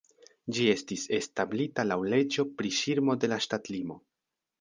Ĝi estis establita laŭ leĝo pri ŝirmo de la ŝtatlimo.